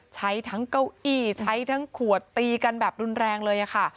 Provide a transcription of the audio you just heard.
ใช้ทั้งเก้าอี้ใช้ทั้งขวดตีกันแบบรุนแรงเลยค่ะ